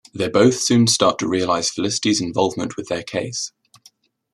They both soon start to realize Felicity's involvement with their case.